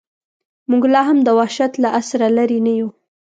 موږ لا هم د وحشت له عصره لرې نه یو.